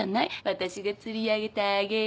私が釣り上げてあげる。